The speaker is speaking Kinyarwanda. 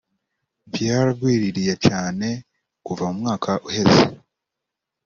vyaragwiriye cane kuva mu mwaka uheze